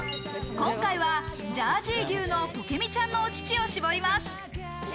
今回はジャージー牛のポケミちゃんのお乳を搾ります。